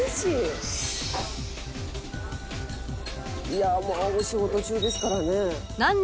「いやまあお仕事中ですからね」